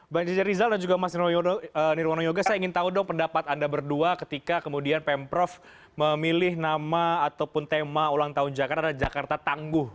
mbak nizar rizal dan juga mas nirwono yoga saya ingin tahu dong pendapat anda berdua ketika kemudian pemprov memilih nama ataupun tema ulang tahun jakarta dan jakarta tangguh